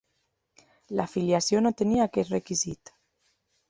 L'afiliació no tenia aquest requisit.